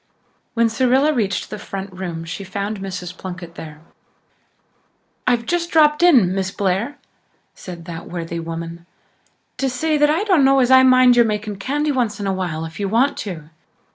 When Cyrilla reached the front room she found Mrs. Plunkett there. "I've just dropped in, Miss Blair," said that worthy woman, "to say that I dunno as I mind your making candy once in a while if you want to.